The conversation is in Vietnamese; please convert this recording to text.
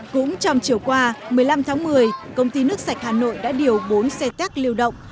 cũng trong chiều qua một mươi năm tháng một mươi công ty nước sạch hà nội đã điều bốn xe téc liều động